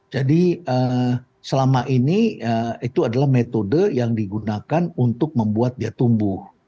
jadi selama ini itu adalah metode yang digunakan untuk membuat dia tumbuh